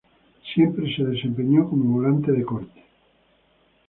Siempre se desempeñó como volante de corte.